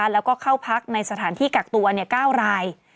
แล้วก็เข้าพักในสถานที่กักตัว๙ราย